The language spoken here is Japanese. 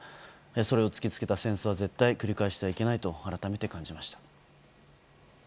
それを突き付けた戦争は絶対繰り返してはいけないと改めて感じました。